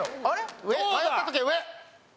迷った時は上！